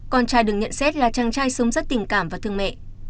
con trai được nhận xét là chàng trai sống rất tình cảm và thương mẹ